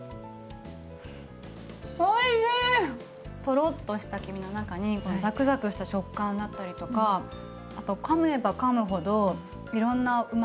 トロッとした黄身の中にザクザクした食感だったりとかあとかめばかむほどいろんなうまみとか。